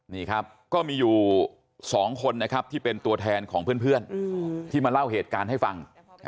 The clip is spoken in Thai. นี่ครับก็มีอยู่๒คนนะครับที่เป็นตัวแทนของเพื่อนที่มาเล่าเหตุการณ์ให้ฟัง